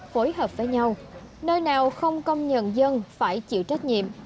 phối hợp với nhau nơi nào không công nhận dân phải chịu trách nhiệm